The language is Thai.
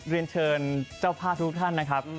เรียนเชิญเจ้าภาพทุกท่านนะครับ